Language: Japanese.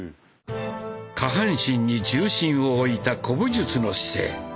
下半身に重心を置いた古武術の姿勢。